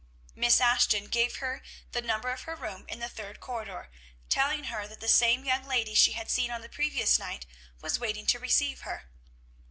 Miss Ashton gave her the number of her room in the third corridor, telling her that the same young lady she had seen on the previous night was waiting to receive her.